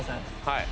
はい。